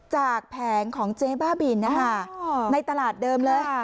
แผงของเจ๊บ้าบินนะคะในตลาดเดิมเลย